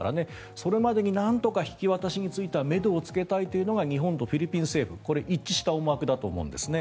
それまでになんとか引き渡しについてはめどをつけたいというのが日本とフィリピン政府一致した思惑だと思うんですね。